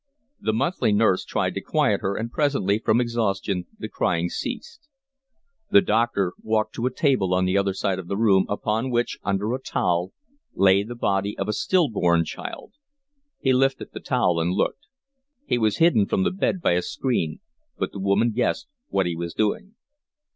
The monthly nurse tried to quiet her, and presently, from exhaustion, the crying ceased. The doctor walked to a table on the other side of the room, upon which, under a towel, lay the body of a still born child. He lifted the towel and looked. He was hidden from the bed by a screen, but the woman guessed what he was doing.